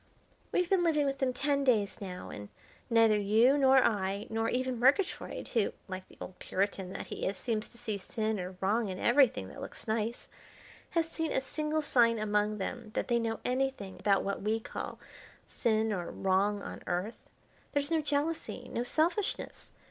"We've been living with them ten days now, and neither you nor I, nor even Murgatroyd, who, like the old Puritan that he is, seems to see sin or wrong in everything that looks nice, has seen a single sign among them that they know anything about what we call sin or wrong on Earth. There's no jealousy, no selfishness.